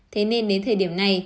thế nên đến thời điểm này